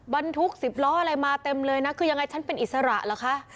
บรรทุกสิบล้ออะไรมาเต็มเลยนะคือยังไงฉันเป็นอิสระเหรอคะ